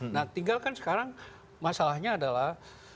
nah tinggalkan sekarang masalahnya adalah